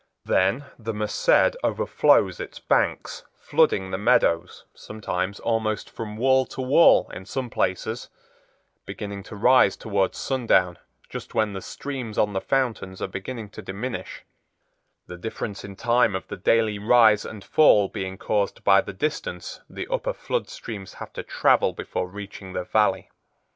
Then the Merced overflows its banks, flooding the meadows, sometimes almost from wall to wall in some places, beginning to rise towards sundown just when the streams on the fountains are beginning to diminish, the difference in time of the daily rise and fall being caused by the distance the upper flood streams have to travel before reaching the Valley.